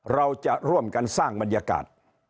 เราจะร่วมกันสร้างบรรยากาศ